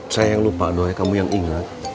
saya yang lupa doi kamu yang inget